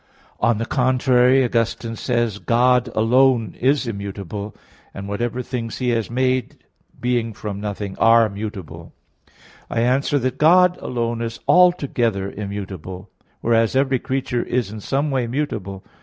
On the contrary, Augustine says (De Nat. Boni. i), "God alone is immutable; and whatever things He has made, being from nothing, are mutable." I answer that, God alone is altogether immutable; whereas every creature is in some way mutable.